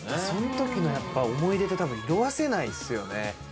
その時のやっぱ思い出ってたぶん色あせないですよね。